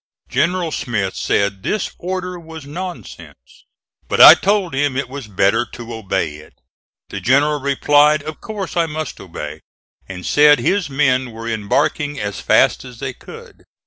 General Smith said this order was nonsense. But I told him it was better to obey it. The General replied, "of course I must obey," and said his men were embarking as fast as they could.